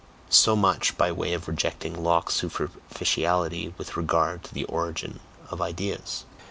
So much by way of rejecting Locke's superficiality with regard to the origin of ideas.